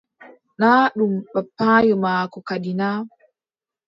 Naa ɗum bappaayo maako kadi na.